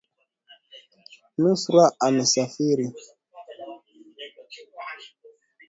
Nusra amesafiri